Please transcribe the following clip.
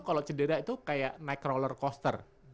kalau cedera itu kayak naik roller coaster